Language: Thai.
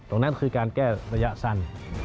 ตรงนั้นคือการแก้ระยะสั้น